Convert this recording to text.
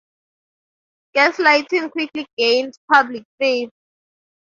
Gas lighting quickly gained public favor.